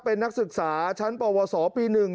เป็นนักศึกษาชั้นปวสปี๑